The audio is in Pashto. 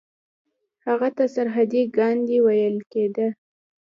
هغه ته سرحدي ګاندي ویل کیده.